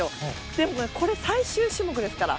でも、これ、最終種目ですから。